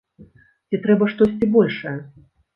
Ці трэба штосьці большае?